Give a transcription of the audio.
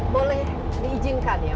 boleh diizinkan ya